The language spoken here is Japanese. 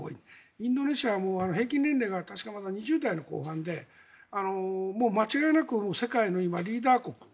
インドネシアは平均年齢が確かまだ２０代の後半でもう間違いなく世界のリーダー国。